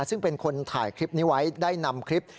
ซึ่งเป็นคนถ่ายคลิปนี้ไว้ได้นำคลิป